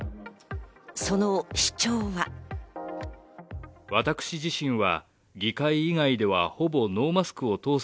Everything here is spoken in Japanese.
その主張は。